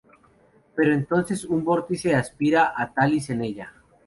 Pero entonces un vórtice aspira a Tails en ella.